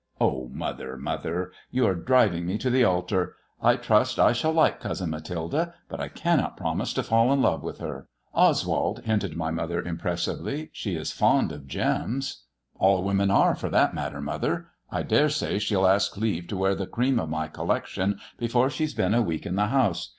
" Oh, mother, mother. You are driving me to the altar. I trust I shall like Cousin Mathilde, but I cannot promise to fall in love with her." MY COUSIN FROM FRANCU 369 Oswald," hinted my mother impressively, *' she is fond of gems." " All women are, for that matter, mother. I dare say she'll ask leave to wear the cream of my collection before she's been a week in the house.